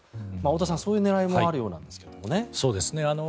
太田さん、そういう狙いもあるようなんですけどね。